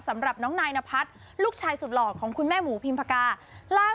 สำหรับน้องนายนพัฒน์ลูกชายสุดหล่อของคุณแม่หมูพิมพากาล่าสุด